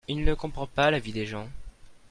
Il ne comprend pas la vie des gens.